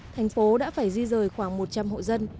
thành phố đã phải di rời khoảng một trăm linh hộ dân